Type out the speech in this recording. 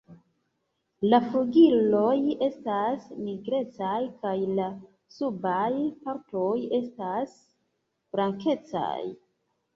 La flugiloj estas nigrecaj kaj la subaj partoj estas blankecaj.